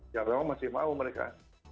ya memang masih mau mereka